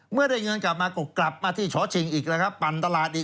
เมื่อได้เงินกลับมาก็กลับมาที่ช้อชิงอีกแล้วครับปั่นตลาดอีก